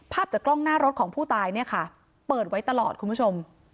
จากกล้องหน้ารถของผู้ตายเนี่ยค่ะเปิดไว้ตลอดคุณผู้ชม